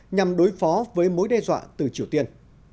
nhằm đối phó với mối đe dọa từ triều tiên